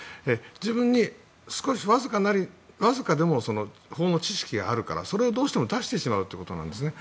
自分にわずかでも法の知識があるからそれをどうしても出してしまうということなんですね。